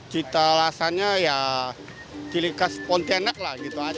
cita rasanya ya ciri khas pontianak lah gitu aja